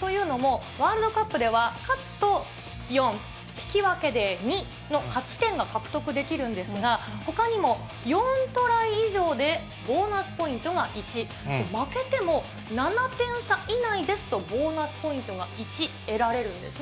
というのも、ワールドカップでは、勝つと４、引き分けで２の勝ち点が獲得できるんですが、ほかにも４トライ以上でボーナスポイントが１、負けても、７点差以内ですと、ボーナスポイントは１得られるんですね。